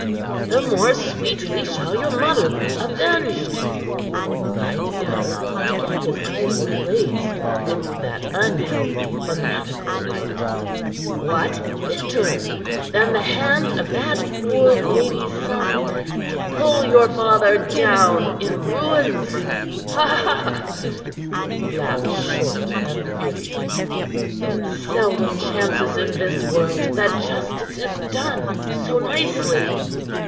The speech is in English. "The more sweetly shall your mother be avenged," cried the other, and again his eyes blazed with that unhealthy, fanatical light. "What fitter than the hand of that poor lady's son to pull your father down in ruins?" He laughed short and fiercely. "It seldom chances in this world that justice is done so nicely."